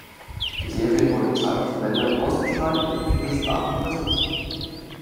Die Serie wurde in zahlreichen Ländern ausgestrahlt und in viele Sprachen übersetzt.